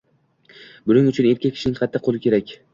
Buning uchun erkak kishining qattiq qoʻli kerak.